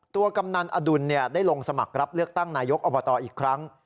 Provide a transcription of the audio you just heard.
กำนันอดุลได้ลงสมัครรับเลือกตั้งนายกอบตอีกครั้ง